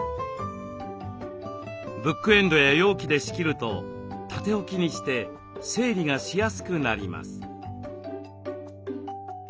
ブックエンドや容器で仕切ると縦置きにして整理がしやすくなります。